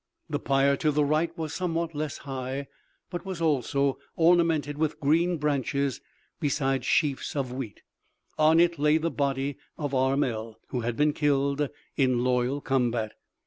The pyre to the right was somewhat less high, but was also ornamented with green branches besides sheafs of wheat. On it lay the body of Armel, who had been killed in loyal combat.